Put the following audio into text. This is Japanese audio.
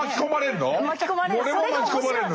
俺も巻き込まれるの？